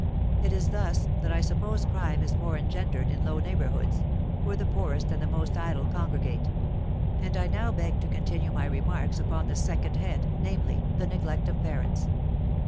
It is thus that I suppose crime is more engendered in low neighbourhoods, where the poorest and the most idle congregate: and I now beg to continue my remarks upon the second head, namely, the neglect of parents.